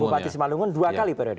bupati simalungun dua kali periode